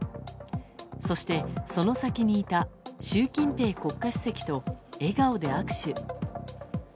そして、その先にいた習近平国家主席と笑顔で握手。